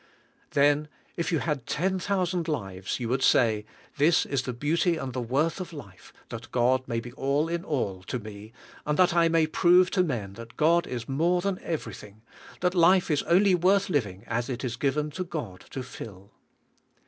Then, if you had ten thousand lives, yor; THA T GOD MA Y BE ALL IN ALL 177 would say, ''This is the beauty and the worth of life, 'that God may be all in all' to me, and that I may prove to men that God is more than every thing, that life is only worth living as it is given to God to fill."